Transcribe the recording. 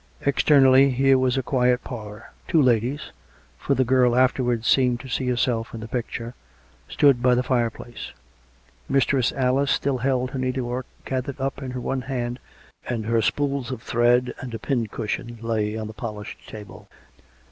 Externally here was a quiet parlour; two ladies — for the girl afterwards seemed to see hers'elf in the picture — stood by the fireplace ; Mistress Alice still held her needlework gathered up in one hand, and her spools of thread and a pin cushion lay on the polished table.